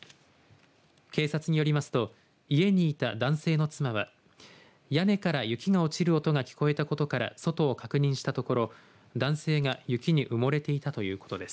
警察によりますと家にいた男性の妻は屋根から雪が落ちる音が聞こえたことから外を確認したところ男性が雪に埋もれていたということです。